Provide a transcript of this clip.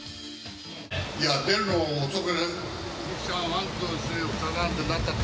いや、出るの遅くない？